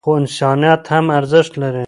خو انسانیت هم ارزښت لري.